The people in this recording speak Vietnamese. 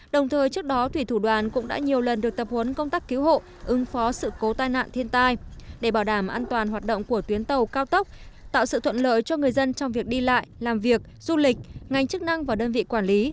đồng thời trước đó thủy thủ đoàn cũng đã nhiều lần được tập huấn công tác cứu hộ ứng phó sự cố tai nạn thiên tai để bảo đảm an toàn hoạt động của tuyến tàu cao tốc tạo sự thuận lợi cho người dân trong việc đi lại làm việc du lịch ngành chức năng và đơn vị quản lý